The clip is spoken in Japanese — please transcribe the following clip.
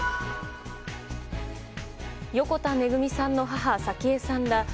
横田めぐみさんの母早紀江さんら